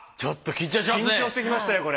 緊張してきましたよこれ。